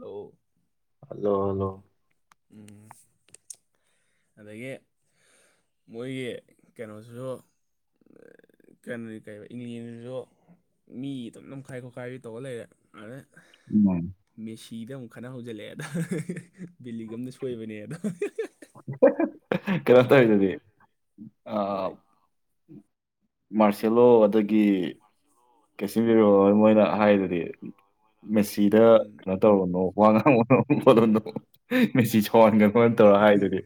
ꯑꯂ hello hello ꯎꯝ ꯑꯗꯒꯤ ꯃꯣꯏꯒꯤ ꯀꯩꯅꯣꯁꯤꯁꯨ ꯀꯩꯅꯣꯅꯤ ꯀꯩꯕ ꯏꯪꯂꯤꯁꯁꯨ ꯃꯤ ꯑꯗꯨꯝ ꯅꯝꯈꯥꯏ ꯈꯣꯠꯈꯥꯏꯕꯤ ꯇꯧꯔ ꯂꯩꯔꯦ ꯑꯗꯩ ꯎꯝ ꯃꯦꯁꯤꯗ ꯑꯃꯨꯛ ꯈꯟꯅ ꯍꯧꯖꯤꯜꯂꯛꯑꯦ ꯑꯗ ꯕꯤꯦꯂꯤꯒ ꯑꯃꯅ ꯁꯣꯏꯕꯅꯦ ꯑꯗ ꯀꯩꯅꯁ ꯑꯣꯏꯗꯤ ꯑ ꯍꯣꯏ ꯃꯥꯔꯁꯦꯂꯣ ꯑꯗꯒꯤ [inaudible] ꯀꯩꯁꯤꯟꯕꯤꯔꯣ ꯃꯣꯏꯅ ꯍꯥꯏꯗꯨꯗꯤ ꯃꯦꯁꯤꯗ ꯎꯝ ꯀꯩꯅꯣ ꯇꯧꯔꯨꯅꯣ ꯋꯥ ꯉꯥꯡꯕꯅꯣ ꯉꯁꯤ ꯁꯥꯎꯍꯟꯒꯅꯅ ꯇꯧꯔ ꯍꯥꯏꯗꯨꯗꯤ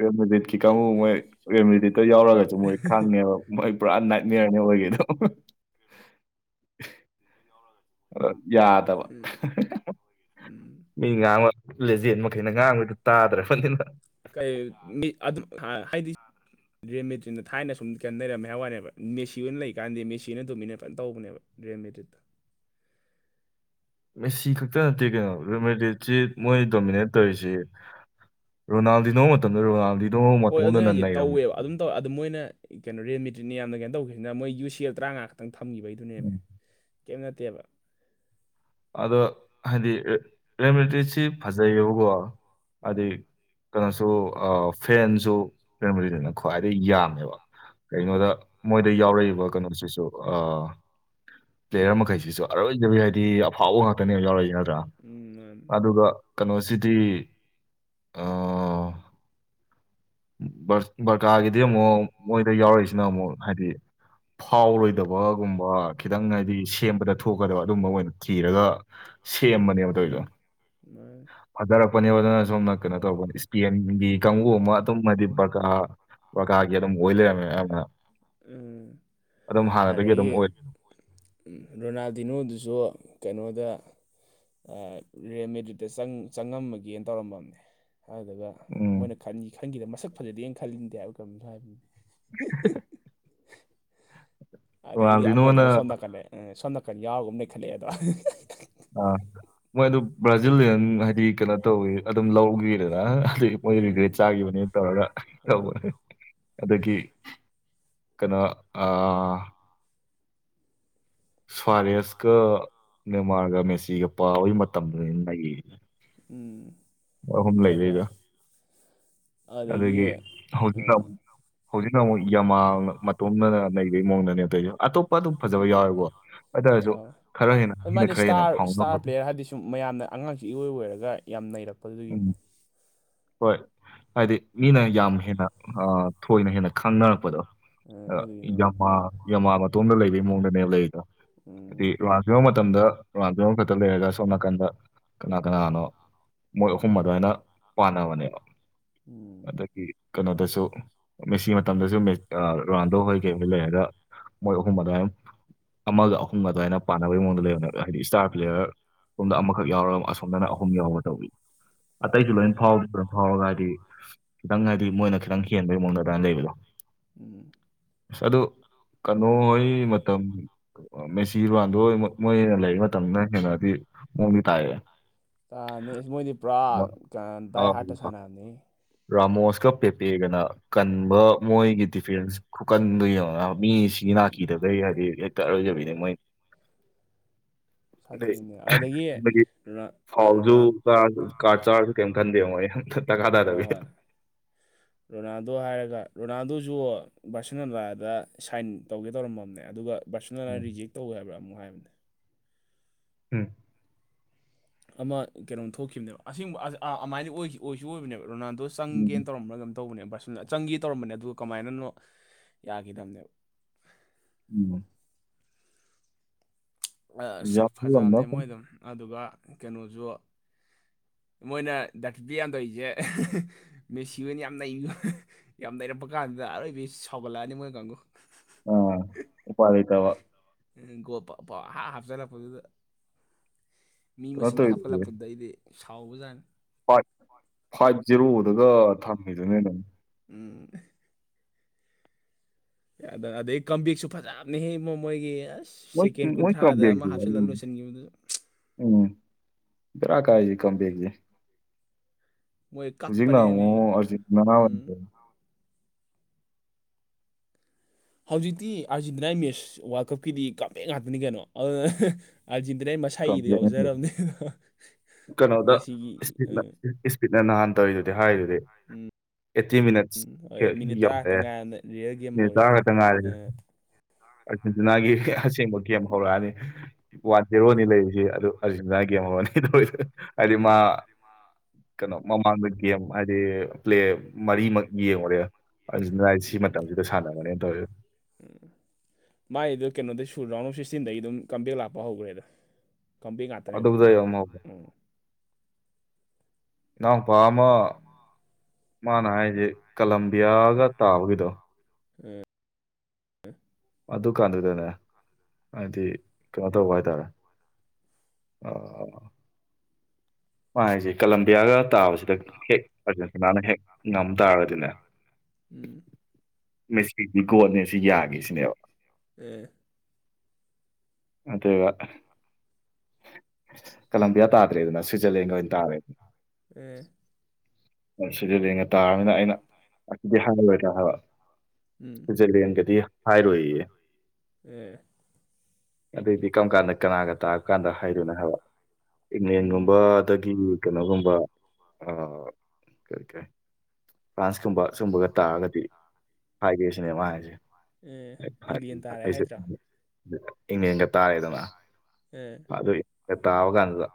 ꯔꯦꯃꯗꯤꯠꯀꯤ ꯀꯥꯡꯕꯨ ꯃꯣꯏ ꯔꯦꯃꯗꯤꯠꯇ ꯌꯥꯎꯔꯒꯁꯨ ꯃꯣꯏ ꯈꯪꯉꯦꯕ ꯃꯣꯏ ꯄꯨꯔꯥ ꯅꯥꯏꯠꯅꯤꯌꯔꯅꯤ ꯑꯣꯏꯒꯦꯗꯣ ꯑ ꯌꯥꯗꯕ ꯎꯝ ꯃꯤ ꯉꯥꯡꯕ ꯂꯦꯖꯦꯟ ꯃꯈꯩꯅ ꯉꯥꯡꯕꯩꯗꯨ ꯇꯥꯗ꯭ꯔꯦ ꯐꯠꯇꯅ ꯀꯩ ꯃꯤ ꯑ ꯍꯥꯏꯗꯤ [inaudible] ꯗ꯭ꯔꯦꯟ ꯃꯦꯆꯤꯟꯗ ꯊꯥꯏꯅ ꯁꯨꯝ ꯀꯟꯅꯩꯔꯝꯃꯦ ꯍꯥꯏ ꯋꯥꯅꯦꯕ ꯃꯦꯁꯤ ꯑꯣꯏꯅ ꯂꯩꯕꯀꯥꯟꯗꯤ ꯃꯦꯁꯤ ꯑꯣꯏꯅ ꯑꯗꯨꯃꯤꯅꯦꯠ ꯐꯖꯅ ꯇꯧꯕꯅꯦꯕ ꯔꯤꯌꯥꯏꯃꯦꯔꯤꯠ ꯃꯦꯁꯤ ꯈꯛꯇ ꯅꯠꯇꯦ ꯀꯩꯅꯣ ꯔꯦꯃꯦꯗꯤꯠꯁꯤ ꯃꯣꯏ ꯗꯣꯃꯤꯅꯦꯠ ꯇꯧꯔꯤꯁꯤ ꯔꯣꯅꯥꯜꯗꯤ ꯅꯣꯡꯧꯕ ꯃꯇꯝꯗ ꯔꯣꯅꯥꯜꯗꯤꯗꯨꯣ ꯑꯃꯨꯛ ꯍꯣꯏ ꯃꯇꯣꯡꯗ ꯑꯗꯨꯅ ꯅ ꯍꯥꯏꯁꯦ ꯅꯩꯔꯝꯃꯤ ꯇꯧꯋꯦꯕ ꯑꯗꯨꯝ ꯇꯧꯋꯦ ꯑꯗꯨ ꯃꯣꯏꯅ ꯀꯩꯅꯣ ꯔꯦꯃꯤꯦꯇ꯭ꯠ ꯌꯥꯝꯅ ꯀꯩꯅꯣ ꯇꯧꯈꯤꯕꯁꯤꯅ ꯃꯣꯏ ꯌꯨ ꯁꯤ ꯑꯦꯜ ꯇꯔꯥꯉꯥ ꯈꯤꯇꯪ ꯊꯝꯈꯤꯕꯒꯤꯗꯨꯅꯦꯃꯦ ꯎꯝ. ꯀꯩꯝ ꯅꯠꯇꯦꯕ ꯑꯗꯣ ꯍꯥꯏꯗꯤ ꯔꯦꯃꯦꯗꯤꯁꯤ ꯐꯖꯩꯌꯦꯕꯀꯣ ꯍꯥꯏꯗꯤ ꯎꯝ ꯀꯩꯅꯣꯁꯨ ꯐꯦꯟꯁꯨ ꯀꯩꯅꯣꯗꯅ ꯈ꯭ꯋꯥꯏꯗꯒꯤꯩ ꯌꯥꯝꯃꯦꯕ ꯀꯒꯤꯩꯅꯣꯗ ꯎꯝ ꯃꯣꯏꯗ ꯌꯥꯎꯔꯛꯏꯕ ꯀꯩꯅꯣꯁꯤꯁꯨ ꯄ꯭ꯂꯦꯌꯔ ꯃꯈꯩꯁꯤꯁꯨ ꯑꯔꯣꯏꯖꯕꯤ ꯍꯥꯏꯗꯤ ꯐꯥꯎꯕ ꯉꯥꯛꯇꯅꯦꯕ ꯌꯥꯎꯔꯛꯏꯁꯤ ꯅꯠꯇ꯭ꯔꯥ ꯎꯝ ꯃꯥꯅꯤ ꯑꯗꯨꯒ ꯀꯩꯅꯣꯁꯤꯗꯤ ꯕꯔꯀꯥꯔꯒꯤꯗꯤ ꯑꯃꯨꯛ ꯃꯣꯏꯗ ꯌꯥꯎꯔꯛꯏꯁꯤꯅ ꯑꯃꯨꯛ ꯍꯥꯏꯗꯤ ꯐꯥꯎꯔꯣꯏ ꯊꯗꯕꯒꯨꯝꯕ ꯈꯤꯇꯪ ꯍꯥꯏꯗꯤ ꯁꯦꯝꯕꯗ ꯊꯣꯛꯀꯗꯕ ꯑꯗꯨꯝꯕ ꯑꯣꯏꯅ ꯊꯤꯔꯒ ꯁꯦꯝꯕꯅꯦꯕ ꯑꯗꯨꯏꯗꯣ ꯃꯅꯤ ꯐꯥꯗꯔꯛꯄꯅꯦꯕ ꯑꯗꯨꯅ ꯁꯣꯝꯅ ꯀꯩꯅꯣ ꯇꯧꯕꯅꯦ ꯏꯁꯄꯦꯟꯒꯤ ꯀꯥꯡꯕꯨ ꯑꯃ ꯑꯗꯨꯨꯝꯃꯗꯤ ꯕꯔꯀꯥ ꯕꯔꯀꯥꯒꯤ ꯑꯗꯨꯝ ꯑꯣꯏ ꯂꯩꯔꯝꯃꯦꯅ ꯎꯝ ꯑꯗꯨꯝ ꯍꯥꯟꯅꯗꯒꯤ ꯑꯗꯨꯝ ꯑꯗꯒꯤ ꯑꯣꯏ ꯔꯣꯅꯥꯜꯗꯤꯅꯣꯗꯨꯁꯨ ꯀꯩꯅꯣꯗ ꯔꯦꯃꯦꯗꯤꯗ ꯆꯪꯉꯝꯃꯒꯦꯅ ꯇꯧꯔꯝꯕꯅꯦ ꯑꯗꯨ ꯎꯝ ꯃꯣꯏꯅ ꯈꯈꯤ ꯈꯟꯈꯤꯗ ꯃꯁꯛ ꯐꯖꯗꯦꯅ ꯈꯟꯅꯤꯡꯟꯗꯦꯕ ꯀꯔꯤꯝꯇ ꯍꯥꯏꯕꯤ [unintelligible] ꯑꯗꯩꯗꯤ ꯔꯣꯅꯥꯜꯗꯤꯅꯣꯅ ꯑꯃꯗꯨꯅ ꯁꯣꯝ ꯀꯜꯂꯦ ꯁꯣꯝ ꯅꯥꯀꯟ ꯌꯥꯎꯒꯨꯝ ꯂꯩꯈꯠꯂꯛꯑꯦ ꯑꯗ ꯑꯥ ꯃꯣꯏ ꯑꯗꯨ ꯕ꯭ꯔꯥꯖꯤꯂꯤꯌꯟ ꯍꯥꯏꯗꯤ ꯀꯩꯅꯣ ꯇꯧꯋ ꯑꯗꯨꯝ ꯂꯧꯈꯤꯗꯅ ꯍꯥꯏꯗꯤ ꯃꯣꯏꯗ ꯔꯤꯒ꯭ꯔꯦꯠ ꯎꯝ ꯆꯥꯈꯤꯕꯅꯦꯅ ꯇꯧꯔꯒ ꯍꯣꯏ ꯇꯧꯕꯅꯦ ꯑꯗꯒꯤ ꯀꯩꯅꯣ ꯑ ꯁ꯭ꯔꯦꯁꯀ ꯃꯦꯟꯃꯥꯔꯒ ꯃꯦꯁꯤꯒ ꯄꯥꯕꯒꯤ ꯃꯇꯝꯗꯨꯅꯤ ꯂꯩꯔꯤꯅꯦ ꯎꯝ ꯑꯍꯨꯝ ꯂꯩꯕꯩꯗ ꯐꯖꯅ ꯑꯗꯒꯤ ꯍꯧꯖꯤꯛꯅ ꯎꯝ ꯑꯃꯨꯛ ꯍꯧꯖꯤꯛꯅ ꯑꯃꯨꯛ ꯌꯃꯥ ꯃꯇꯣꯝꯅꯅ ꯂꯩꯕꯒꯤ ꯃꯑꯣꯡꯗꯅꯦꯕꯩꯔ ꯑꯇꯣꯞꯄ ꯑꯗꯨꯝ ꯐꯖꯕ ꯎꯝ ꯌꯥꯎꯋꯦꯕꯣ ꯑꯗꯨꯔꯁꯨ ꯌꯥꯎꯋꯦ ꯈꯔ ꯍꯦꯟꯅ ꯑꯗꯨ ꯃꯤꯩꯅ ꯃꯥꯗꯤ ꯈꯔ ꯍꯦꯟꯅ ꯏꯁꯇꯥꯔ ꯏꯁꯇꯥꯔ ꯐꯥꯎꯝꯕꯗ ꯄ꯭ꯂꯦꯌꯔ ꯍꯥꯏꯗꯤ ꯁꯨꯝ ꯃꯌꯥꯝꯅ ꯑꯉꯥꯡꯁꯦ ꯏꯔꯣꯏ ꯂꯔꯒ ꯌꯥꯝ ꯅꯩꯔꯛꯄꯗꯨꯒꯤꯅꯦ ꯎꯝ ꯍꯣꯏ ꯍꯥꯏꯗꯤ ꯎꯝ ꯃꯤꯅ ꯌꯥꯝ ꯍꯦꯟꯅ ꯊꯣꯏꯅ ꯍꯦꯟꯅ ꯈꯪꯅꯔꯛꯄꯗꯣ ꯑ ꯑꯗꯨꯒꯤꯅꯦ ꯎꯝ ꯌꯃ ꯌꯃꯥ ꯃꯇꯣꯝꯗ ꯂꯩꯕꯩ ꯃꯑꯣꯡꯗꯅꯦ ꯂꯩꯗ ꯍꯥꯏꯗꯤ ꯔꯥꯟ ꯌꯕ ꯃꯇꯝꯗ ꯔꯥꯟ ꯂꯩꯒ ꯁꯣꯅꯥ ꯀꯟꯗ ꯀꯅꯥ ꯀꯅꯥꯅꯣ ꯃꯣꯏ ꯑꯍꯨꯝ ꯑꯗꯨꯃꯥꯏꯅ ꯄꯥꯟꯅꯕꯅꯦꯕ ꯎꯝ ꯑꯗꯒꯤ ꯀꯩꯅꯣꯗꯁꯨ ꯃꯦꯁꯤ ꯃꯇꯝꯗꯁꯨ ꯔꯥꯟꯗꯣ ꯍꯣꯏ ꯀꯩꯍꯣꯏ ꯂꯩꯔꯒ ꯃꯣꯏ ꯑꯍꯨꯝ ꯑꯗꯨꯋꯥꯏ ꯑꯃꯒ ꯑꯍꯨꯝꯒ ꯑꯗꯨꯋꯥꯏꯅ ꯄꯥꯅꯕꯩ ꯃꯑꯣꯡꯗ ꯂꯩꯕꯅꯦꯕ ꯍꯥꯏꯗꯤ ꯏꯁꯇꯥꯔ ꯎꯝ ꯄ꯭ꯂꯦꯌꯔ ꯑꯣꯝꯗ ꯑꯃꯈꯛ ꯌꯥꯎꯔ ꯑꯁꯣꯝꯗꯅ ꯑꯍꯨꯝ ꯌꯥꯎꯔ ꯇꯧꯕꯤ ꯑꯇꯩꯁꯨ ꯎꯝ ꯂꯣꯏꯅ ꯐꯥꯎꯕꯗ꯭ꯔꯥ ꯐꯥꯎꯔꯒ ꯍꯥꯏꯗꯤ ꯈꯤꯇꯪ ꯍꯥꯏꯗꯤ ꯃꯣꯏꯅ ꯈꯤꯇꯪ ꯍꯦꯟꯕꯒꯤ ꯃꯑꯣꯡꯗ ꯑꯗꯨꯥꯏ ꯂꯩꯕꯗꯣ ꯎꯝ ꯑꯗꯨ ꯀꯩꯅꯣꯍꯣꯏ ꯃꯇꯝ ꯃꯦꯆꯤꯔ ꯋꯥꯟꯗꯣ ꯃꯣꯏ ꯍꯦꯟꯅ ꯂꯩꯕ ꯃꯇꯝꯅ ꯍꯦꯟꯅꯗꯤ ꯃꯑꯣꯡꯗꯤ ꯇꯥꯏ ꯑꯅꯤ ꯃꯣꯏꯗꯤ ꯄꯨꯔꯥ ꯀ ꯗꯏ ꯍꯥꯇ ꯑꯥ ꯁꯅꯅꯤ ꯔꯥꯃꯣꯁꯀ ꯄꯦꯄꯦꯒꯅ ꯀꯟꯕ ꯃꯣꯏꯒꯤ ꯗꯤꯐꯦꯟꯁ ꯈꯨꯀꯟꯗꯣ ꯌꯦꯡꯉꯣꯅ ꯃꯤ ꯁꯤ ꯎꯝ ꯅꯥꯀꯤꯗꯕꯩ ꯍꯥꯏꯗꯤ ꯍꯦꯛꯇ ꯑꯔꯣꯏꯖꯕꯤꯅꯦ ꯍꯣꯏ ꯃꯣꯏ ꯑꯗꯩ ꯁꯥꯊꯤꯕꯅꯦ ꯑꯗꯒꯤ ꯑꯩꯈꯣꯏꯒꯤ ꯔꯣꯅꯥꯜ ꯐꯥꯎꯖꯨ ꯔꯣꯅꯥꯜ ꯆꯥꯔꯁꯨ ꯀꯥꯔꯗ ꯆꯥꯔꯁꯨ ꯀꯦꯝ ꯈꯟꯗꯦ ꯃꯣꯏꯗꯤ ꯗꯔꯀꯥ ꯍꯣꯏ ꯇꯥꯗꯥꯗꯕꯤ ꯍꯣꯏ ꯔꯣꯅꯥꯜꯗꯣ ꯍꯥꯏꯔꯒ ꯔꯣꯅꯥꯜꯗꯣꯁꯨ ꯕꯥꯔꯁꯅꯣꯂꯥꯗ ꯁꯥꯏꯟ ꯇꯧꯒꯦ ꯇꯧꯔꯝꯃꯅꯦ ꯑꯗꯨꯒ ꯕꯥꯁꯣꯜꯂꯣꯅꯥꯅ ꯎꯝ ꯔꯤꯖꯦꯛ ꯇꯧꯋꯦ ꯍꯥꯏꯕꯥ ꯑꯃꯨꯛ ꯍꯥꯏꯕꯅꯦ ꯎꯝ ꯑꯃ ꯀꯩꯅꯣꯝ ꯊꯣꯛꯈꯤꯕꯅꯦꯕ ꯑꯁꯤꯒꯨꯝꯕ ꯑꯃꯥꯏꯅ ꯑꯣꯏꯁꯨ ꯑꯣꯏꯕꯅꯦꯕ ꯔꯣꯅꯥꯟꯗꯣꯁ ꯎꯝ ꯆꯪꯒꯦꯅ ꯇꯧꯔꯝꯕ꯭ꯔꯥ ꯀꯩꯅꯣꯝ ꯇꯧꯕꯅꯦ ꯕ ꯕꫪꯁꯦꯂꯣꯅꯥ ꯆꯪꯒꯦ ꯇꯧꯔꯝꯕꯅꯦ ꯑꯗꯨꯒ ꯀꯃꯥꯏꯅꯅꯣ ꯌꯥꯈꯤꯗꯕꯅꯦꯕ [inaudible] ꯑꯁ ꯌꯥꯎꯁꯜꯂꯝꯕꯅ ꯐꯖꯕꯅꯦ ꯐꯩ ꯃꯣꯏ ꯑꯗꯨꯝ ꯑꯗꯨꯒ ꯀꯩꯅꯣꯁꯨ ꯃꯣꯏꯅ ꯗꯛꯇꯤꯌꯥꯟ ꯇꯧꯔꯤꯁꯦ ꯃꯦꯁꯤ ꯑꯣꯏꯅ ꯌꯥꯝ ꯅꯩ ꯌꯥꯝ ꯅꯩꯔꯛꯄ ꯀꯥꯟꯗꯨꯗ ꯑꯔꯣꯏꯕꯤ ꯁꯥꯎꯒꯠꯂꯛꯑꯅꯤ ꯃꯣꯏ ꯀꯥꯡꯒꯨ ꯑ ꯎꯄꯥꯏ ꯂꯩꯇꯕ ꯎꯝ ꯒꯣꯄꯥ ꯄꯨꯡꯍꯥꯞ ꯍꯥꯞꯆꯤꯜꯂꯛꯄꯗꯨꯗ ꯃꯤ ꯀꯩꯅꯣ ꯃꯁꯤꯡꯗ ꯇꯧꯔꯤꯗꯨꯗꯤ ꯍꯥꯞꯀꯠꯂꯛꯄꯗ ꯑꯩꯗꯤ ꯁꯥꯎꯕꯖꯥꯠꯅꯤ ꯐꯥꯏꯚ ꯐꯥꯏꯚ ꯖꯦꯔꯣꯗꯒ ꯊꯝꯉꯤꯗꯨꯅꯦ ꯑꯗꯨꯝ ꯎꯝ ꯑꯗ ꯑꯗꯩ ꯀꯝꯕꯦꯛꯁꯨ ꯐꯖꯕꯅꯦꯍꯦ ꯃꯣ ꯃꯣꯏꯒꯤ ꯑꯁ ꯃꯣꯏ ꯁꯦꯀꯦꯟ ꯃꯣꯏ ꯀꯨꯟꯊ꯭ꯔꯥꯗ ꯑꯃ ꯀꯝꯕꯦꯛꯁꯦ ꯍꯥꯞꯆꯤꯜꯂ ꯂꯣꯏꯁꯤꯟꯈꯤꯕꯗꯨꯗ ꯎꯝ ꯕꯦꯔꯥ ꯀꯥꯏ ꯀꯝꯕꯦꯛꯇꯤ ꯃꯣꯏ ꯍꯧꯖꯤꯛꯅ ꯀꯞꯄꯅꯦꯃꯤ ꯑꯃꯨꯛ ꯑꯔꯖꯦꯟꯇꯤꯅꯥ ꯎꯝ ꯍꯧꯖꯤꯛꯇꯤ ꯑꯥꯔꯖꯦꯟꯇꯤꯅꯥꯏ ꯃꯦꯠꯁ ꯋꯥꯔꯜ ꯀꯞꯀꯤꯗꯤ ꯀꯥꯞꯃꯦꯟ ꯉꯥꯛꯇꯅꯤ ꯀꯩꯅꯣ ꯑꯗꯨ ꯑꯥꯔꯖꯦꯟꯇꯤꯅꯥꯒꯤ ꯃꯁꯥꯒꯤꯗ ꯀꯝꯕꯦꯛꯅ ꯇꯧꯋꯦ ꯌꯥꯎꯖꯔꯕꯅꯤ ꯃꯦꯁꯤꯒꯤ ꯐꯤꯠꯅ ꯅꯍꯥꯟ ꯇꯧꯔꯤꯗꯨꯗꯤ ꯍꯥꯏꯔꯤ ꯎꯝ ꯎꯝ ꯍꯣꯏ ꯃꯤꯅꯤꯠ ꯇꯔꯥ ꯈꯛꯇꯪ ꯌꯧꯔꯛꯑꯦ ꯉꯥꯏ ꯔꯤꯌꯦꯜ ꯒꯦꯝ ꯃꯤꯅꯤꯠ ꯇꯔꯥ ꯍꯧꯔꯛꯑꯦꯗ ꯈꯛꯇ ꯉꯥꯏꯔꯦ ꯎ ꯑꯥꯔꯖꯦꯟꯇꯤꯅꯥꯒꯤ ꯑꯁꯦꯡꯕ ꯀꯦꯝ ꯍꯧꯔꯛꯑꯅꯤ ꯋꯥꯟ ꯖꯦꯔꯣꯅꯤ ꯂꯩꯔꯤꯁꯤ ꯑꯗꯨ ꯑꯥꯔꯖꯦꯟꯇꯤꯅꯤꯅꯒꯤ ꯒꯦꯝꯑꯣꯅꯦ ꯇꯧꯔꯤꯗꯨ ꯃꯔꯤꯃ ꯀꯩꯅꯣ ꯃꯃꯥꯡꯗ ꯒꯦꯝ ꯍꯥꯏꯗꯤ ꯄ꯭ꯂꯦ ꯃꯔꯤꯃꯛ ꯌꯦꯡꯉꯨꯔꯦ ꯑꯥꯔꯖꯦꯟꯇꯤꯅꯥ ꯁꯤ ꯃꯇꯝꯁꯤꯗ ꯁꯥꯟꯅꯕꯅꯦꯅ ꯇꯧꯋꯦ ꯎꯝ ꯃꯥꯏꯗꯣ ꯀꯩꯅꯣꯗ ꯁꯨ ꯔꯥꯎꯟ ꯑꯣꯐ ꯁꯤꯛꯁꯇꯤꯟꯗꯒꯤ ꯑꯗꯨꯝ ꯀꯝꯝꯕꯦꯛ ꯂꯥꯛꯄ ꯍꯧꯈ꯭ꯔꯦꯗ ꯀꯝꯕꯦꯛ ꯉꯥꯛꯇꯅꯦ ꯍꯧꯖꯤꯛ ꯑꯗꯨꯗ ꯃꯥ ꯌꯦꯡꯉꯣ ꯎꯝ ꯏꯅꯥꯎꯄꯥ ꯑꯃ ꯃꯥꯅ ꯍꯥꯏꯁꯦ ꯀꯂꯝꯕꯤꯌꯥꯒ ꯇꯥꯕꯒꯤꯗꯣ ꯎꯝ ꯑꯗꯨ ꯀꯥꯟꯗꯨꯗꯅꯦ ꯍꯥꯏꯗꯤ ꯀꯩꯅꯣ ꯇꯧꯕ ꯍꯥꯏꯇꯥꯔꯦ ꯑꯣ ꯃꯥ ꯍꯥꯏꯁꯦ ꯀꯂꯝꯕꯤꯌꯥꯒ ꯇꯥꯕꯁꯤꯗ ꯍꯦꯛ ꯑꯥꯔꯖꯦꯟꯇꯤꯅꯥꯅ ꯍꯦꯛ ꯉꯝ ꯇꯥꯔꯗꯤꯅꯦ ꯎꯝ ꯃꯤꯁꯤꯗꯤ ꯒꯣꯠꯅꯦ ꯁꯤ ꯌꯥꯒꯦ ꯁꯤꯅꯦꯕ ꯑꯦ ꯑꯗꯨꯒ ꯀꯂꯝꯕꯤꯌꯥ ꯇꯥꯗ꯭ꯔꯦꯗꯅ ꯁ꯭ꯋꯤꯖꯔꯂꯦꯟꯒ ꯑꯣꯏꯅ ꯇꯥꯔꯦꯗꯅ ꯎ ꯁꯋꯤꯠꯖꫪꯂꯦꯟꯒ ꯇꯥꯔꯝꯅꯤꯅ ꯑꯩꯅ ꯑꯁꯤꯗꯤ ꯍꯥꯏꯂꯣꯏꯗ꯭ꯔꯥ ꯍꯥꯏꯕ ꯎꯝ ꯁꯋꯤꯠꯖꯔꯂꯦꯟꯒꯗꯤ ꯍꯥꯏꯔꯣꯏꯌꯦ ꯑꯦ ꯑꯗꯨꯗꯤ ꯀꯔꯝ ꯀꯥꯟꯗ ꯀꯅꯥꯒ ꯇꯥꯔ ꯀꯥꯟꯗ ꯍꯥꯏꯗꯣꯏꯅꯣ ꯍꯥꯏꯕ ꯎꯝ ꯏꯪꯂꯦꯟꯒꯨꯝꯕ ꯗꯒꯤ ꯀꯩꯅꯣꯒꯨꯝꯕ ꯑꯩ ꯀꯔꯤ ꯐ꯭ꯔꯥꯟꯁꯀꯨꯝꯕ ꯁꯨꯝꯕꯒ ꯇꯥꯔꯒꯗꯤ ꯍꯥꯏꯒꯦ ꯁꯤꯅꯦ ꯃꯥ ꯍꯥꯏꯁꯦ ꯑꯦ ꯍ ꯐꯔꯦ ꯏꯪꯂꯦꯟ ꯇꯥꯔꯦ ꯑꯩꯁꯦ ꯍꯥꯏꯗ꯭ꯔꯥ ꯏꯪꯉꯦꯟꯒ ꯇꯥꯔꯦꯗꯅ ꯍ ꯑꯗꯨ ꯇꯥꯕ ꯀꯥꯟꯗꯨꯗ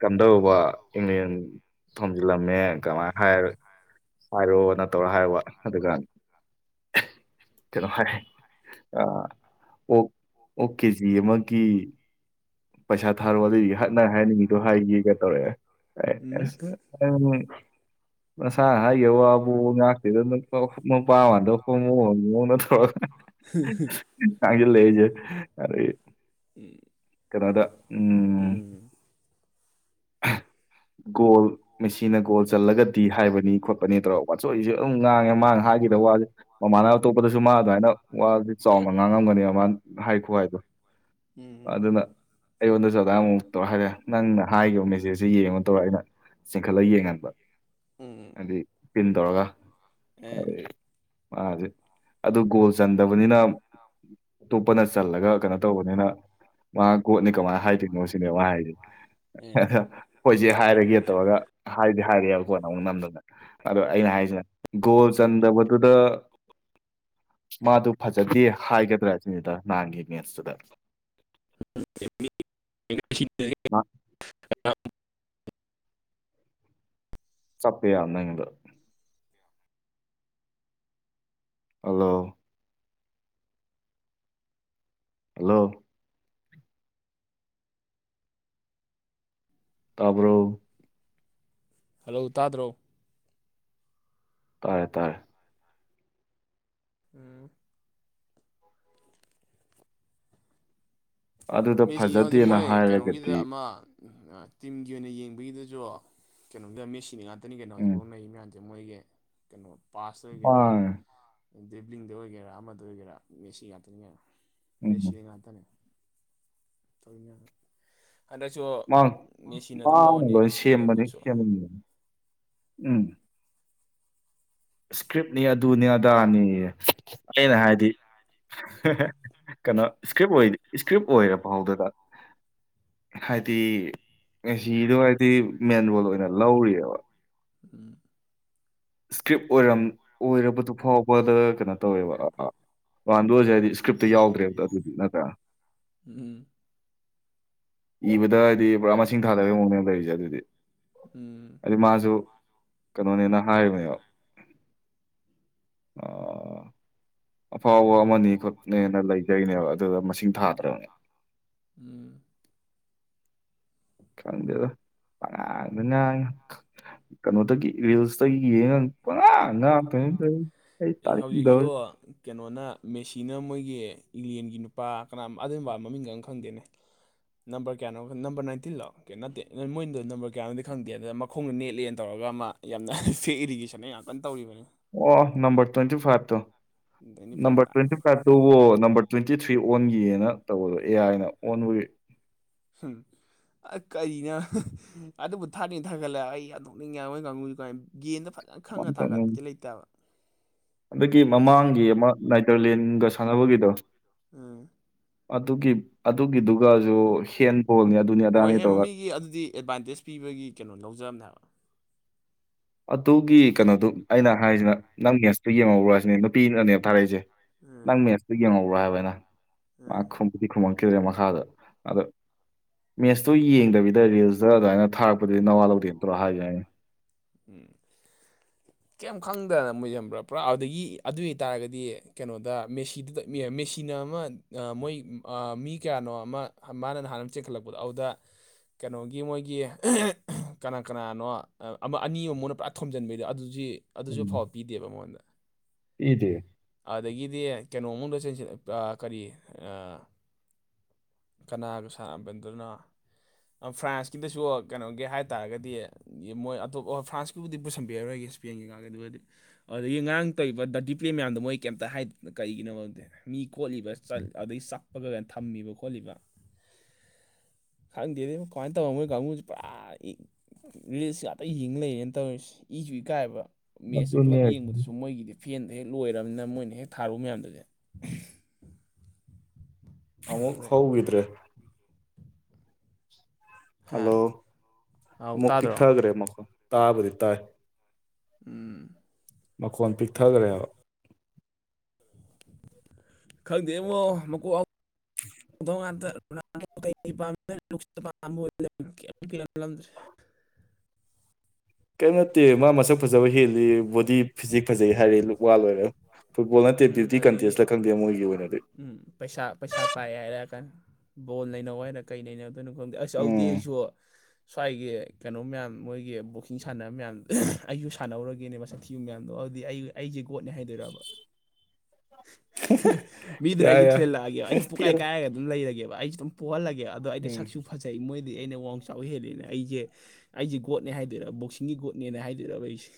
ꯀꯝꯗꯧꯕ ꯏꯦꯟ ꯊꯣꯝꯖꯤꯜꯂꯝꯃꯦ ꯀꯃꯥꯏꯅ ꯍꯥꯏꯔ ꯍꯥꯏꯔꯣ ꯅꯠꯇꯧꯔꯣ ꯍꯥꯏꯔꯣꯑꯣ ꯑꯗꯨꯒ ꯀꯩꯅꯣ ꯍꯥꯏ ꯑ ꯑꯣ ꯑꯣꯛ ꯀꯦ ꯖꯤ ꯃꯥꯒꯤ ꯄꯩꯁꯥ ꯊꯥꯔꯣ ꯑꯗꯨꯗꯩꯗꯤ ꯍꯅ ꯍꯥꯏꯅꯤꯡꯉꯤꯗꯣ ꯍꯥꯏꯈꯤꯒ ꯇꯧꯔꯛꯦ ꯎꯝ ꯑꯁ ꯅꯁꯥ ꯍꯥꯏꯈꯤꯕ ꯋꯥꯕꯨ ꯉꯥꯛꯇꯗ ꯅꯨꯄꯥꯃꯗ ꯍꯣꯡꯃꯨ ꯍꯣꯡꯨꯧ ꯅꯠꯇꯧꯒ ꯊꯥꯡꯒ ꯂꯩꯖꯦ ꯑꯔ ꯎ ꯀꯅꯥꯗ ꯎꯝ ꯒꯣꯜ ꯃꯦꯁꯤꯅ ꯒꯣꯜ ꯆꯜꯂꯒꯗꯤ ꯍꯥꯏꯕꯅꯤ ꯈꯣꯠꯄꯅꯤ ꯇꯧꯣ ꯋꯥꯆꯣꯏꯁꯨꯦ ꯑꯗꯨꯝ ꯉꯥꯡꯉꯦ ꯃꯥꯡ ꯍꯥꯏꯈꯤꯗ ꯋꯥꯁꯦ ꯃꯃꯥꯅ ꯑꯇꯣꯞꯄꯗꯁꯨ ꯃꯥ ꯑꯗꯨꯃꯥꯏꯅ ꯋꯥꯗꯤ ꯆꯥꯎꯅ ꯉꯥꯡꯉꯝꯒꯅꯦꯕ ꯃꯥꯅ ꯍꯥꯏꯈꯣ ꯍꯥꯏꯗꯣ ꯎꯝ ꯑꯗꯨꯅ ꯑꯩꯉꯣꯟꯗꯁꯨꯗꯥꯃꯨꯛ ꯇꯧꯔꯛꯑꯒꯦ ꯅꯪꯅ ꯍꯥꯏꯈꯤꯕ ꯃꯦꯁꯦꯖꯁꯦ ꯌꯦꯡꯉꯣ ꯇꯧꯔꯒ ꯑꯩꯅ ꯆꯤꯡꯈꯠꯂꯒ ꯌꯦꯡꯍꯟꯕ ꯎꯝ ꯍꯥꯏꯗꯤ ꯇꯤꯟ ꯇꯧꯔꯒ ꯑꯦ ꯃꯥꯁꯦ ꯑꯗꯨ ꯒꯣꯜ ꯆꯟꯗꯕꯅꯤꯅ ꯑꯇꯣꯞꯄꯅ ꯆꯜꯂꯒ ꯀꯩꯅꯣ ꯇꯧꯕꯅꯤꯅ ꯃꯥ ꯀꯣꯠꯅꯤ ꯀꯃꯥꯏꯅ ꯍꯥꯏꯗꯣꯏꯅꯣ ꯁꯤꯅꯦ ꯃꯥ ꯍꯥꯏꯁꯦ ꯑꯦ ꯑꯗ ꯑꯩꯣꯏꯁꯦ ꯍꯥꯏꯔꯒꯦ ꯇꯧꯔꯒ ꯍꯥꯏꯗꯤ ꯍꯥꯏꯔꯤꯑꯕ ꯀꯣ ꯑꯃꯨꯛ ꯅꯝꯗꯅ ꯑꯗꯣ ꯑꯩꯅ ꯍꯥꯏꯁꯦ ꯒꯣꯜ ꯆꯟꯗꯕꯗꯨꯗ ꯃꯥꯗꯨ ꯐꯖꯗꯦ ꯍꯥꯏꯒꯗ꯭ꯔꯥ ꯁꯤꯅꯤꯗ ꯅꯍꯥꯟꯒꯤ ꯃꯦꯠꯁꯇꯨꯗ ꯑ ꯆꯇꯌꯥ ꯅ ꯍꯜꯂꯣ ꯍꯜꯂꯣ ꯇꯥꯕ꯭ꯔꯣ ꯍꯜꯂꯣ ꯇꯥꯗ꯭ꯔꯣ ꯇꯥꯔꯦ ꯇꯥꯏꯔꯦ ꯎꯝ ꯑꯗꯨꯗ ꯃꯤꯁꯤ ꯍꯧꯖꯤꯛ ꯐꯖꯗꯦꯅ ꯃꯣꯏ ꯀꯩꯅꯣꯒꯤꯗ ꯍꯥꯏꯔꯒꯗꯤ ꯑꯃ ꯎ ꯇꯤꯝꯒꯤ ꯑꯣꯏꯅ ꯌꯦꯡꯕꯒꯤꯗꯁꯨ ꯀꯩꯅꯣꯝꯗ ꯃ ꯁꯤꯅꯤ ꯉꯥꯛꯇꯅꯤ ꯀꯩꯅꯣ ꯎꯝ ꯍꯧꯖꯤꯛꯐꯥꯎꯅ ꯃꯌꯥꯝꯁꯦ ꯁꯦ ꯃꯣꯏꯒꯤ ꯀꯩꯅꯣ ꯄꯥꯁ ꯃꯥ ꯑꯣꯏꯒꯦꯔꯥ ꯗꯗꯤꯕꯂꯤꯡꯗ ꯑꯣꯏꯒꯦꯔꯥ ꯑꯃꯗ ꯑꯣꯏꯒꯦꯔꯥ ꯃꯦꯁꯤ ꯉꯥꯛꯇꯅꯤ ꯉꯥꯏꯅ ꯎꯝ ꯃꯦꯠꯁꯤꯗ ꯉꯥꯛꯇꯅꯦ ꯇꯉꯅ ꯍꯟꯗꯛ ꯁꯨ ꯃꯥꯡꯅ ꯂꯣꯏ ꯒꯣꯜꯗꯟ ꯁꯦꯝꯕꯅꯤ ꯕꯨꯠꯁꯨ ꯁꯦꯝꯃꯅꯤ ꯎꯝ ꯏꯁꯀ꯭ꯔꯤꯞꯅꯤ ꯑꯗꯨꯅꯤ ꯑꯗꯥꯅꯤ ꯑꯩꯅ ꯍꯥꯏꯗꯤ ꯀꯩꯅꯣ ꯏꯁꯀ꯭ꯔꯤꯞ ꯑꯣꯏ ꯏꯁꯀ꯭ꯔꯤꯞ ꯑꯣꯏꯔ ꯐꯥꯎꯗꯨꯗ ꯍꯥꯏꯗꯤ ꯉꯁꯤꯗꯣ ꯍꯥꯏꯗꯤ ꯃꯦꯟ ꯔꯣꯜ ꯑꯣꯏꯅ ꯂꯧꯔꯤꯑꯕ ꯑ ꯏꯁꯀ꯭ꯔꯤꯞ ꯑꯣꯏꯔꯝ ꯑꯣꯏꯔꯕꯗꯨ ꯐꯥꯎꯕꯗ ꯀꯩꯅꯣ ꯇꯧꯋꯦꯕ ꯋꯥꯥꯟꯗꯣꯔꯁꯦ ꯍꯥꯏꯗꯤ ꯏꯁꯀ꯭ꯞꯇ ꯌꯥꯎꯗ꯭ꯔꯦꯕꯗ ꯑꯗꯨꯗꯤ ꯅꯠꯇ꯭ꯔꯥ ꯎꯝ ꯏꯕꯗ ꯍꯥꯏꯗꯤ ꯄꯨꯔꯥ ꯃꯁꯤꯡ ꯊꯥꯗꯕꯒꯤ ꯃꯑꯣꯡꯅꯦ ꯂꯩꯔꯤꯁꯦ ꯑꯗꯨꯗꯤ ꯎꯝ ꯑꯩ ꯃꯥꯁꯨ ꯀꯩꯅꯣꯅꯦꯅ ꯍꯥꯏꯔꯤꯕꯅꯦꯕ ꯑꯥ ꯑꯐꯥꯎꯕ ꯑꯃꯅꯤ ꯈꯣꯠꯅꯦꯅ ꯂꯩꯖꯩꯅꯦꯕ ꯎꯝ ꯎꯝ ꯗꯉꯥꯡꯗꯨꯅ ꯀꯩꯅꯣꯗꯒꯤ ꯔꯤꯜꯁꯇꯒꯤ ꯌꯦꯡꯉꯒ ꯄꯨꯔꯥ ꯉꯥꯛꯇ ꯑꯩ ꯑꯦ ꯇꯥꯛꯗ ꯍꯧꯖꯤꯛꯁꯨ ꯀꯩꯅꯣꯅ ꯃꯦꯁꯤꯅ ꯃꯣꯏꯒꯤ ꯏꯪꯂꯦꯟꯒꯤ ꯅꯨꯄꯥ ꯀꯅꯥ ꯑꯗꯨꯝꯕ ꯃꯃꯤꯡꯒ ꯈꯪꯗꯦꯅꯦ ꯅꯝꯕꯔ ꯀꯌꯥꯅꯣ ꯅꯝꯕꯔ ꯅꯥꯏꯟꯇꯤꯟ ꯂꯥꯛꯑꯣ ꯀꯦ ꯅꯠꯇꯦ ꯅꯣꯏ ꯃꯣꯏꯗꯨꯣ ꯅꯝꯕꯔ ꯀꯌꯥꯅꯣꯗꯤ ꯈꯪꯗꯦꯗ ꯈꯣꯡꯒ ꯅꯦꯠꯂꯦꯅ ꯇꯧꯔꯒ ꯑꯃ ꯌꯥꯝꯅ ꯐꯦꯛ ꯏꯔꯤꯒꯦꯁꯟꯅ ꯌꯥꯝ ꯀꯟꯅ ꯇꯧꯔꯤꯕꯅꯤ ꯑꯣ ꯅꯝꯕꯝꯕꯔ ꯇ꯭ꯋꯦꯟꯇꯤ ꯐꯔꯇꯣ ꯇ꯭ꯋꯦꯟꯇꯤ ꯅꯝꯕꯝꯕꯔ ꯐꯥꯏꯚꯂ ꯇ꯭ꯋꯦꯟꯇꯤ ꯐ ꯑꯗꯨꯕꯨ ꯅꯝꯕꯔ ꯇ꯭ꯋꯦꯟꯇꯤ ꯊ꯭ꯔꯤ ꯑꯣꯟꯈꯤꯦꯅ ꯇꯧꯕꯗꯣ ꯑꯦ ꯑꯥꯏꯅ ꯑꯣꯟꯕꯒꯤ ꯍꯝ ꯑꯁ ꯀꯔꯤꯅ ꯑꯗꯨꯕꯨ ꯊꯥꯅꯤꯡ ꯊꯥꯒꯠꯂ ꯑꯩ ꯌꯥꯝꯗꯣꯛꯅꯤꯡꯉꯉꯣꯏ ꯉꯥꯡꯉꯨꯁꯤ ꯀꯥꯏ ꯒꯗ ꯐꯖꯅ ꯈꯪꯉ ꯀꯃꯥꯏꯅ ꯊꯥꯒꯠꯀ ꯂꯩꯇꯦꯕ ꯍꯟꯗꯛꯀꯤ ꯃꯃꯥꯡꯒꯤ ꯑꯃ ꯅꯥꯏꯇ꯭ꯔꯂꯦꯟꯒ ꯁꯥꯟꯅꯕꯒꯤꯗꯣ ꯎꯝ ꯑꯗꯨꯒꯤ ꯑꯗꯨꯒꯤꯗꯨꯒꯁꯨ ꯍꯦꯟꯕꯣꯜꯅꯤ ꯑꯗꯨꯅꯤ ꯍꯣꯏ ꯑꯗꯥꯅꯤ ꯍꯦ ꯇꯧꯔꯒ ꯃꯃꯤꯒꯤ ꯑꯗꯨꯗꯤ ꯑꯦꯗꯚꯥꯟꯇꯦꯖ ꯄꯤꯕꯒꯤ ꯀꯩꯅꯣ ꯂꯧꯖꯕꯅꯦꯕ ꯑꯗꯨꯒꯤ ꯀꯩꯅꯣꯗꯨ ꯑꯩꯅ ꯍꯥꯏꯔꯤꯁꯤꯅ ꯅꯪ ꯅꯦꯁꯇꯨ ꯌꯦꯦꯝ ꯑꯃꯔꯨꯔꯁꯤꯅꯦ ꯅꯨꯄꯤꯅꯅꯦꯕ ꯊꯥꯔꯛꯏꯁꯦ ꯎꯝ ꯅꯪ ꯃꯦꯠꯁꯇ ꯌꯦꯡꯍꯧ꯭ꯔꯣ ꯍꯥꯏꯕ ꯑꯅ ꯃꯥ ꯎꯝ ꯈꯨꯝꯃꯛꯈꯤꯗ꯭ꯔꯦ ꯃꯈꯥꯗ ꯑꯗ ꯃꯦꯠꯁꯇꯨ ꯌꯦꯡꯗꯕꯤꯗ ꯔꯤꯜꯁꯇ ꯑꯗꯨꯃꯥꯏꯅ ꯊꯥꯔꯛꯄ ꯅ ꯋꯥ ꯂꯧꯗꯤꯠꯇ꯭ꯔ ꯍꯥꯏ ꯌꯥꯌꯦ ꯎꯝ [inaudible] [inaudible] ꯀꯩꯝ ꯈꯪꯗꯅ ꯃꯣꯏꯁꯤꯟꯕ꯭ꯔꯥ ꯄꯨꯔꯥ ꯑꯗꯨꯗꯒꯤ ꯑꯗꯨ ꯑꯣꯏꯇꯥꯔꯒꯗꯤ ꯀꯩꯅꯣꯗ ꯃꯦꯁꯤꯗꯨꯗ ꯃꯦꯆꯤꯟ ꯑꯃ ꯃꯣꯏ ꯃꯤ ꯀꯌꯥꯅꯣ ꯑꯃ ꯃꯥꯅ ꯅꯍꯥꯟ ꯑꯃ ꯆꯦꯛꯈꯠꯂꯛꯄꯗꯣ ꯑꯗꯨꯗ ꯀꯩꯅꯣꯒꯤ ꯃꯣꯏꯒꯤ ꯀꯅꯥ ꯀꯅꯥꯅꯣ ꯑꯃ ꯑꯅꯤ ꯑꯃꯃꯅ ꯄꯨꯔꯥ ꯊꯣꯝꯖꯤꯟꯕꯩꯗꯣ ꯑꯗꯨꯗꯤ ꯑꯗꯨꯁꯨ ꯐꯥꯎ ꯄꯤꯗꯦꯕ ꯃꯉꯣꯟꯗ ꯏꯗ ꯑꯗꯒꯤꯗꯤ ꯀꯩꯅꯣ ꯃꯅꯨꯡꯗ ꯆꯦꯟꯁꯤꯜ ꯀꯔꯤ ꯀꯅꯥꯒ ꯁꯥꯟꯝꯕꯅꯤꯗꯨꯅꯣ ꯐ꯭ꯔꯥꯟꯁꯀꯤꯗꯁꯨ ꯀꯩꯅꯣꯒꯤ ꯍꯥꯏꯇꯥꯔꯒꯗꯤ ꯃꯣꯏ ꯑꯇꯣꯞꯄꯣꯏ ꯐ꯭ꯔꯥꯟꯁꯀꯕꯨꯗꯤ ꯄꯨꯁꯟꯕꯤꯔꯣꯏꯒꯦ ꯁ꯭ꯄꯦꯟꯒꯤ ꯀꯥꯒꯤꯦ ꯑꯗꯨ ꯑꯣꯏꯔꯗꯤ ꯑꯗꯒꯤ ꯉꯔꯥꯡ ꯇꯧꯔꯤꯕ ꯗꯗꯤꯄ꯭ꯂꯦ ꯃꯌꯥꯝꯗꯣ ꯃꯣꯏ ꯀꯩꯝꯇ ꯍꯥꯏ ꯀꯩꯒꯤꯅꯣꯗ ꯃꯤ ꯀꯣꯠꯂꯤꯕꯠ ꯑꯗꯩ ꯆꯞꯄꯒꯒꯅ ꯊꯝꯃꯤꯕ ꯈꯣꯠꯂꯤꯕ ꯈꯪꯗꯦꯗꯤ ꯀꯃꯥꯏꯅ ꯇꯧꯕ ꯃꯣꯏ ꯀꯥꯡꯕꯨꯨꯁꯦ ꯄꯨꯔꯥ ꯔꯤꯁ ꯉꯥꯛꯇ ꯌꯦꯡ ꯂꯩꯔꯦꯅ ꯇꯧꯔꯤꯁꯦ ꯏꯁꯨ ꯏꯀꯥꯏꯕ ꯃꯦꯠꯁꯇꯨ ꯑꯗꯨꯅꯦ ꯄꯨꯂꯞ ꯌꯦꯡꯕꯗꯨꯁꯨ ꯃꯣꯏꯒꯤꯗꯤ ꯐꯦꯟꯗ ꯍꯦꯛ ꯂꯣꯏꯅꯤꯅ ꯃꯣꯏꯅ ꯍꯦꯛ ꯊꯥꯔꯨ ꯃꯌꯥꯝꯗꯨꯗꯤ ꯑꯃꯨꯛ ꯑꯗꯩ ꯍꯧꯈꯤꯗ꯭ꯔꯦ ꯍꯥ ꯍꯜꯂꯣ ꯑꯥꯎ ꯑꯃꯨꯛ ꯇꯥꯗ꯭ꯔꯣ ꯇꯤꯛꯊꯈ꯭ꯔꯦ ꯑꯃꯨꯛꯀꯣ ꯇꯥꯕꯗꯤ ꯇꯥꯏ ꯎꯝ ꯃꯈꯣꯟ ꯄꯤꯛꯊꯈ꯭ꯔꯦꯕ ꯈꯪꯗꯦꯕ ꯃ [unintelligible] ꯀꯔꯤꯝ ꯅꯠꯇꯦ ꯃꯥ ꯃꯁꯛ ꯐꯖꯕ ꯍꯦꯜꯂꯤ ꯕꯣꯗꯤ ꯐꯤꯖꯤꯛ ꯐꯖꯩ ꯍꯥꯏꯔꯦ ꯂꯨꯛ ꯋꯥ ꯂꯣꯏꯔꯦ ꯐꯨꯠꯕꯣꯜ ꯅꯠꯇꯦ ꯎꯝ ꯕ꯭ꯌꯨꯇꯤ ꯑꯗꯒꯤ ꯀꯟꯇꯦꯁꯂꯥ ꯈꯪꯗꯦ ꯃꯣꯏꯒꯤ ꯑꯣꯏꯅꯗꯤ ꯎꯝ ꯄꯩꯁꯥ ꯄꯩꯁꯥ ꯄꯥꯏ ꯍꯥꯏꯔ ꯀꯥꯟꯗ ꯕꯣꯜ ꯅꯩꯅꯧ ꯍꯥꯏꯔ ꯀꯩ ꯅꯩꯅ ꯀꯩꯅꯣ ꯈꯪꯗꯦ ꯑꯁ ꯎꯝ ꯑꯥꯎꯗꯤꯌꯦꯟꯁꯨ ꯁ꯭ꯋꯥꯏꯒꯤ ꯀꯩꯅꯣ ꯃꯌꯥꯝ ꯃꯣꯏꯒꯤ ꯕꯣꯛꯁꯤꯡ ꯁꯥꯟꯅꯕ ꯃꯌꯥꯝ ꯑꯩꯖꯨ ꯁꯥꯟꯅꯧꯔꯥꯒꯦꯅꯦꯕ ꯁꯥꯊꯤꯌꯨ ꯃꯌꯥꯝꯗꯣ ꯑꯗꯨꯗꯤ ꯑꯩ ꯑꯩꯖꯦ ꯒꯣꯠꯅꯦ ꯍꯥꯏꯗꯣꯏꯔꯕ ꯃꯤꯗꯨꯅ ꯌꯥꯏ ꯑꯩꯁꯦ ꯌꯥꯏ ꯊꯤꯜꯍꯜꯂꯛꯑꯒꯦꯕ ꯑꯩꯖꯦ ꯄꯨꯀꯥꯏ ꯄꯤꯛꯑꯦꯗ ꯀꯥꯏꯔꯒ ꯑꯗꯨꯝ ꯂꯩꯔꯒꯦꯕ ꯑꯩꯖꯨ ꯑꯗꯨꯝ ꯄꯣꯛꯍꯜꯂꯒꯦꯕ ꯑꯗꯣ ꯑꯩꯗꯤ ꯎꯝ ꯁꯛꯁꯨ ꯐꯖꯩ ꯃꯣꯏꯗꯤ ꯑꯩꯅ ꯋꯥꯡ ꯆꯥꯎ ꯍꯦꯜꯂꯦꯅ ꯑꯩꯖꯦ ꯑꯩꯖꯦ ꯒꯣꯠꯅꯦ ꯍꯥꯏꯗꯣꯏꯔꯥ ꯕꯣꯛꯁꯤꯡꯒꯤ ꯒꯣꯠꯅꯦꯅ ꯍꯥꯏꯗꯣꯏꯔꯕ ꯑꯩꯁꯦ